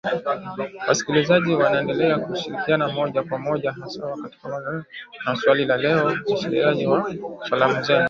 Wasikilizaji waendelea kushiriki moja kwa moja hasa katika matangazo yetu ya Sauti ya amerka kupitia Barazani na Swali la Leo Maswali na Majibu na Salamu Zenu